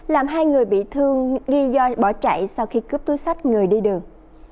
làm hai người bị thương ghi do bỏ chạy sau khi cướp túi sách người đi đường